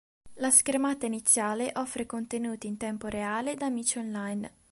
La schermata iniziale offre contenuti in tempo reale da amici online.